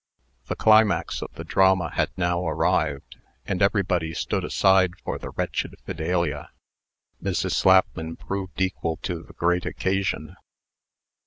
The climax of the drama had now arrived, and everybody stood aside for the wretched Fidelia. Mrs. Slapman proved equal to the great occasion.